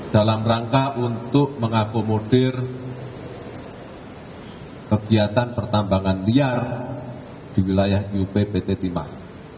dalam rangka untuk mengakomodir kegiatan pertambangan liar di wilayah up pt timah